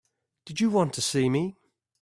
Did you want to see me?